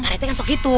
pak retek kan suka gini